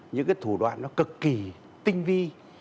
những thủ đoạn cực kỳ tinh vi